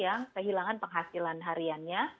yang kehilangan penghasilan hariannya